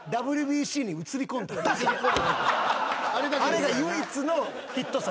・あれが唯一のヒット作。